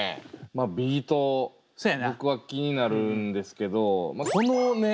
まあビート僕は気になるんですけどそのね